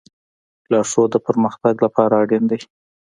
لارښود د پرمختګ لپاره اړین دی.